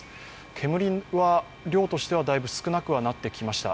煙は量としてはだいぶ少なくなってきました。